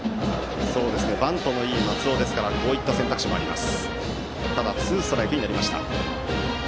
バントのいい松尾ですからこういった選択肢もあります。